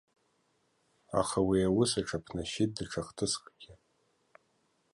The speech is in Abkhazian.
Аха уи аус аҽаԥнашьит даҽа хҭыскгьы.